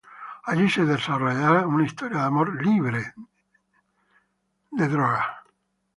Allí se desarrollará una historia de amor libre y drogas.